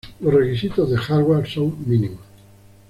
Los requisitos de hardware son mínimos.